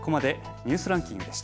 ニュースランキングです。